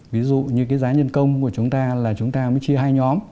ví dụ như cái giá nhân công của chúng ta là chúng ta mới chia hai nhóm